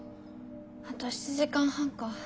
あと７時間半か。